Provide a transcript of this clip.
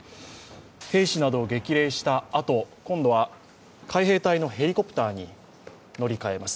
兵士などを激励したあと、今度は海兵隊のヘリコプターに乗り換えます。